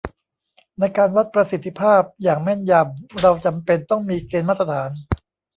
ในการวัดประสิทธิภาพอย่างแม่นยำเราจำเป็นต้องมีเกณฑ์มาตรฐาน